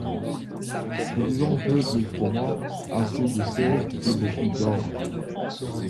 Produisant peu de froment, assez de seigle et beaucoup d'orge.